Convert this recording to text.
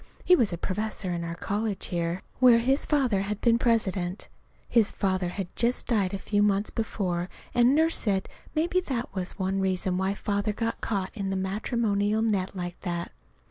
He was a professor in our college here, where his father had been president. His father had just died a few months before, and Nurse said maybe that was one reason why Father got caught in the matrimonial net like that.